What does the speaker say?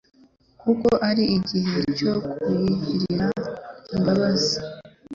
kuko ari igihe cyo kuyigirira imbabazi